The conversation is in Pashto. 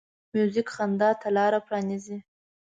موزیک خندا ته لاره پرانیزي.